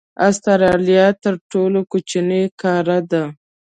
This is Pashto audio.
استرالیا تر ټولو کوچنۍ قاره ده.